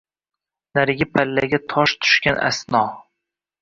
Narigi pallaga tosh tushgan asno!